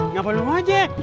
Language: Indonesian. ngapain lu ngejek